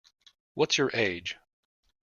What's your age?